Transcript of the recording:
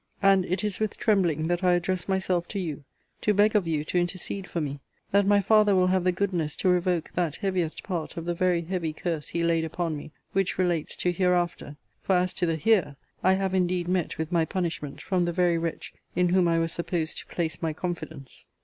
And it is with trembling that I address myself to you, to beg of you to intercede for me, that my father will have the goodness to revoke that heaviest part of the very heavy curse he laid upon me, which relates to HEREAFTER; for, as to the HERE, I have indeed met with my punishment from the very wretch in whom I was supposed to place my confidence.